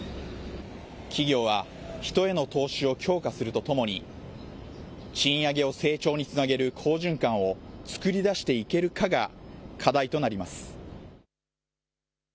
企業は人への投資を強化するとともに賃上げを成長につなげる好循環を作り出していけるかが課題となります。